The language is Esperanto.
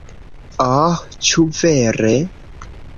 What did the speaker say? Oh ĉu vere?